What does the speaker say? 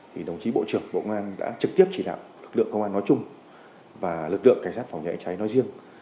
thì đồng chí bộ trưởng bộ ngoan đã trực tiếp chỉ đạo lực lượng công an nói chung và lực lượng cảnh sát phòng cháy nói riêng